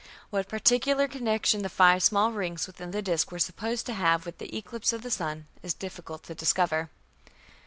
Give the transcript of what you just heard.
What particular connection the five small rings within the disk were supposed to have with the eclipse of the sun is difficult to discover.